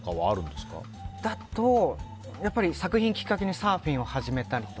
それだと、作品をきっかけにサーフィンを始めたりとか。